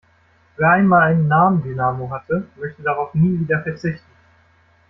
Wer einmal einen Nabendynamo hatte, möchte darauf nie wieder verzichten.